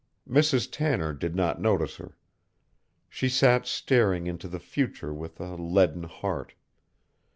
Mrs. Tanner did not notice her. She sat staring into the future with a leaden heart.